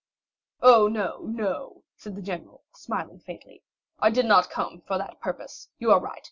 "Oh, no, no," said the general, smiling faintly, "I did not come for that purpose; you are right.